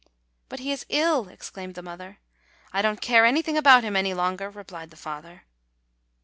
"But he is ill!" exclaimed the mother. "I don't care anything about him any longer!" re plied the father.